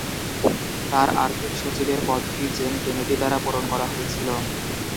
তার আর্থিক সচিবের পদটি জেন কেনেডি দ্বারা পূরণ করা হয়েছিল।